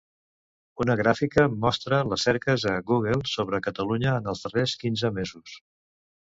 Una gràfica mostra les cerques a Google sobre Catalunya en els darrers quinze mesos.